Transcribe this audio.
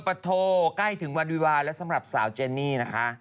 ปะโทใกล้ถึงวันวิวาแล้วสำหรับสาวเจนี่นะคะ